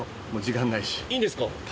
いいんですか？